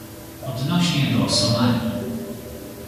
Odnośnie do Somalii